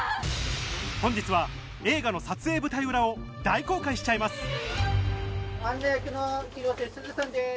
本日は映画の撮影舞台裏を大公開しちゃいますアンナ役の広瀬すずさんです！